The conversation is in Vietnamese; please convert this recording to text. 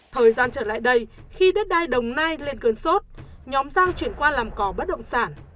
thời gian trở lại đây khi đất đai đồng nai lên cơn sốt nhóm giang chuyển qua làm cò bất động sản